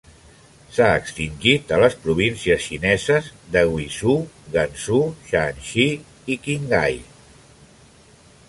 S'ha extingit a les províncies xineses de Guizhou, Gansu, Shaanxi i Qinghai.